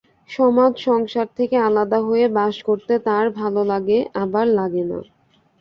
সমাজ-সংসার থেকে আলাদা হয়ে বাস করতে তাঁর ভালো লাগে, আবার লাগে না।